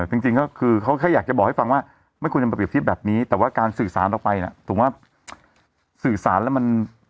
จริงก็คือเขาแค่อยากจะบอกให้ฟังว่าไม่ควรจะมาเปรียบเทียบแบบนี้แต่ว่าการสื่อสารออกไปน่ะถูกว่าสื่อสารแล้วมัน